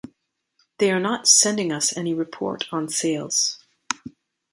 They are not sending us any report on sales.